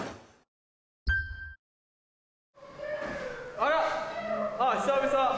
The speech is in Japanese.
あら久々。